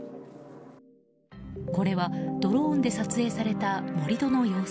これはドローンで撮影された盛り土の様子。